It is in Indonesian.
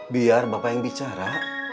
biar bapak yang bicara